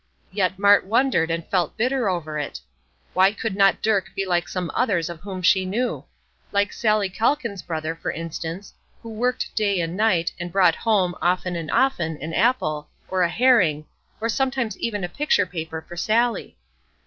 Yet Mart wondered and felt bitter over it. Why could not Dirk be like some others of whom she knew? Like Sallie Calkin's brother, for instance, who worked day and night, and brought home, often and often, an apple, or a herring, or sometimes even a picture paper for Sallie!